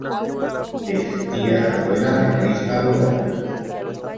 Es tía-abuela de Crystal Waters.